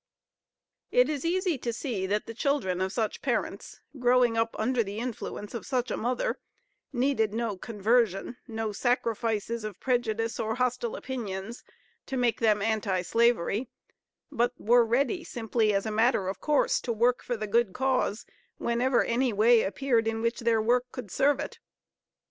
It is easy to see that the children of such parents, growing up under the influence of such a mother, needed no conversion, no sacrifices of prejudice or hostile opinions, to make them Anti slavery; but were ready, simply as a matter of course, to work for the good cause whenever any way appeared in which their work could serve it.